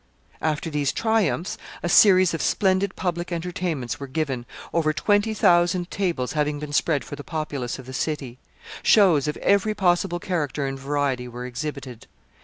] After these triumphs, a series of splendid public entertainments were given, over twenty thousand tables having been spread for the populace of the city Shows of every possible character and variety were exhibited.